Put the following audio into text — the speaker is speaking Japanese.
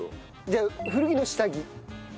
じゃあ古着の下着。